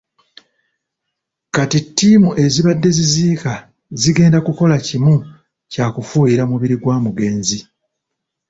Kati ttiimu ezibadde ziziika zigenda kukola kimu kya kufuuyira mubiri gwa mugenzi.